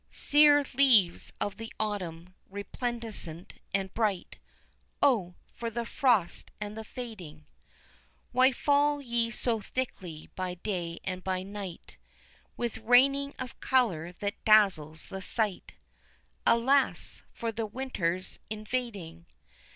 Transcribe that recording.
_ Sere leaves of the autumn, resplendent and bright, (Oh! for the frost and the fading.) Why fall ye so thickly by day and by night, With raining of color that dazzles the sight, (Alas! for the winter's invading.)